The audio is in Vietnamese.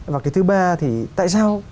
và cái thứ ba thì tại sao